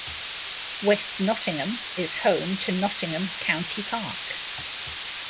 West Nottingham is home to Nottingham County Park.